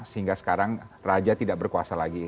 sehingga sekarang raja tidak berkuasa lagi